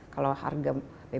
kalau harga bbm